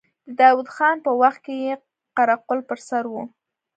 د داود خان په وخت کې يې قره قل پر سر و.